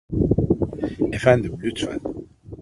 Efendim, lütfen.